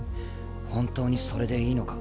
本当にそれでいいのか？